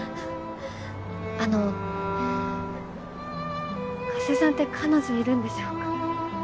あの加瀬さんって彼女いるんでしょうか？